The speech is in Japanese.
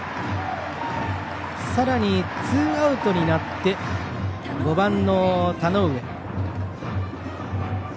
さらにツーアウトになって５番の田上。